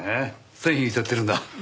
線引いちゃってるんだ。